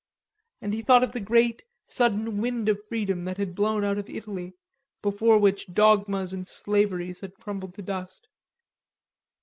And he thought of the great, sudden wind of freedom that had blown out of Italy, before which dogmas and slaveries had crumbled to dust.